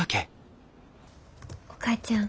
お母ちゃん。